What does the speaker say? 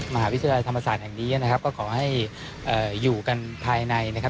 มหาวิทยาลัยธรรมศาสตร์แห่งนี้นะครับก็ขอให้อยู่กันภายในนะครับ